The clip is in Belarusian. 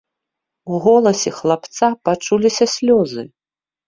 У голасе хлапца пачуліся слёзы.